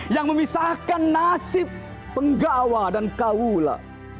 yang memisahkan nasib penggawa dan kaula